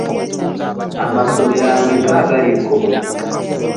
Amasomero ameka agali e Koboko?